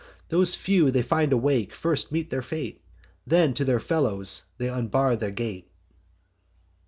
Those few they find awake first meet their fate; Then to their fellows they unbar the gate.